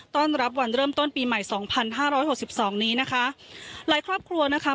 ต้อนรับวันเริ่มต้นปีใหม่สองพันห้าร้อยหกสิบสองนี้นะคะหลายครอบครัวนะคะ